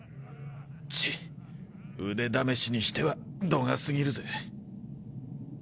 ちっ腕試しにしては度が過ぎるぜ。